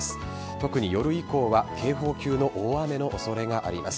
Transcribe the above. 特に夜以降は警報級の大雨の恐れがあります。